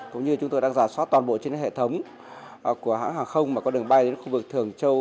cũng như chúng tôi đang giả soát toàn bộ trên hệ thống của hãng hàng không mà có đường bay đến khu vực thường châu